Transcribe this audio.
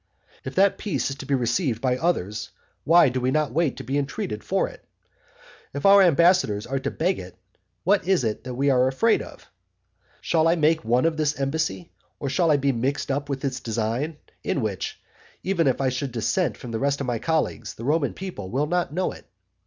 If that peace is to be received by others, why do we not wait to be entreated for it? If our ambassadors are to beg it, what is it that we are afraid of? Shall I make one of this embassy, or shall I be mixed up with this design, in which, even if I should dissent from the rest of my colleagues, the Roman people will not know it?